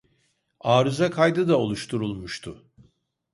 Arıza kaydı da oluşturulmuştu